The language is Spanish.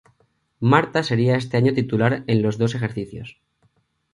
Marta sería ese año titular en los dos ejercicios.